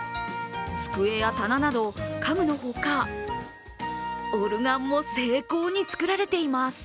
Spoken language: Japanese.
机や棚など、家具のほかオルガンも精巧に作られています。